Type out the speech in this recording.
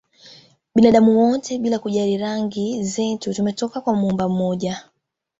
Binadamu wote bila kujali rangi zetu tumetoka kwa Muumba mmoja